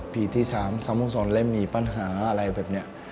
พีที่๓สำหรับสอนเล่มมีปัญหาอะไรแบบเนี่ย